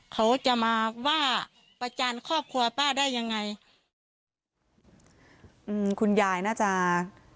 เขาจะมาว่าประจานครอบครัวป้าได้ยังไงอืมคุณยายน่าจะ